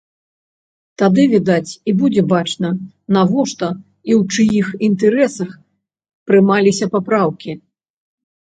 Тады, відаць, і будзе бачна, навошта і ў чыіх інтарэсах прымаліся папраўкі.